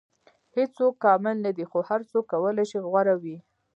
• هیڅوک کامل نه دی، خو هر څوک کولی شي غوره وي.